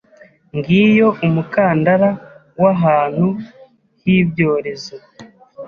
Ngiyo umukandara w'ahantu h'ibyorezo